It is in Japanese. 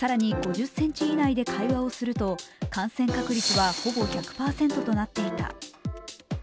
更に５０ｃｍ以内で会話をすると感染確率はほぼ１００％となっていた。